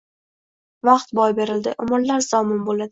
Vaqt boy beriladi, umrlar zomin bo‘ladi.